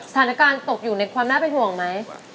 สถานการณ์ตกอยู่ในความน่าเป็นห่วงไหม